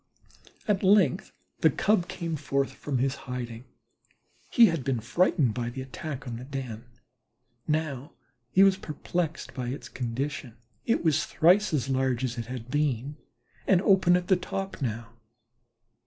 At length the Cub came forth from his hiding. He had been frightened by the attack on the den; now he was perplexed by its condition. It was thrice as large as it had been and open at the top now.